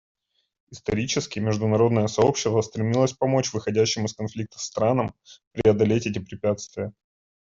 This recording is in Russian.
Исторически международное сообщество стремилось помочь выходящим из конфликтов странам преодолеть эти препятствия.